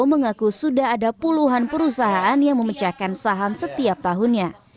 mengaku sudah ada puluhan perusahaan yang memecahkan saham setiap tahunnya